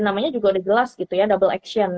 namanya juga udah jelas gitu ya double action